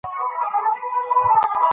تېر وخت ته په درناوي وګورئ.